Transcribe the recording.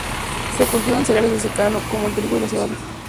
Se cultivan cereales de secano, como el trigo y la cebada.